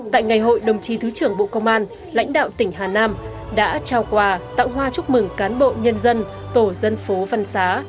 tại ngày hội đồng chí thứ trưởng bộ công an lãnh đạo tỉnh hà nam đã trao quà tạo hoa chúc mừng cán bộ nhân dân tổ dân phố văn xá